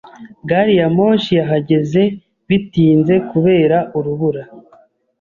Gariyamoshi yahageze bitinze kubera urubura.